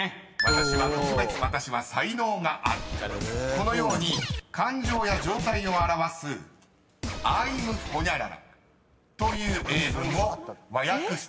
［このように感情や状態を表す「Ｉ’ｍホニャララ」という英文を和訳してください］